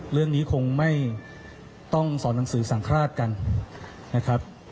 เรื่องนี้คงไม่ต้องสอนหนังสือสังฆราชกันนะครับ